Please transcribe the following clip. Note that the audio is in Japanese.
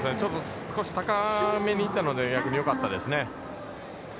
少し高めに行ったので、逆によかったですね。